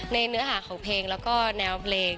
เนื้อหาของเพลงแล้วก็แนวเพลง